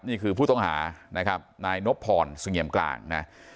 นี่คือผู้ต้องหานะครับนายนบพรสงเหยียมกลางนะ